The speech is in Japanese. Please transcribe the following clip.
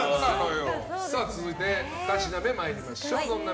続いて２品目参りましょう。